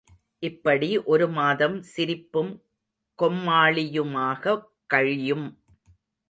இப்படி ஒரு மாதம் சிரிப்பும் கொம்மாளியுமாகக் கழியும்.